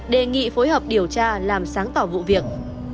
đề nghị phối hợp điều tra làm sáng tỏ vụ việc